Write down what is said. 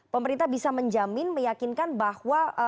pemerintah bisa menjamin meyakinkan bahwa